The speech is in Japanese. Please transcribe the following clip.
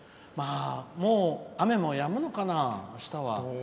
もう、雨もやむのかな、あしたは。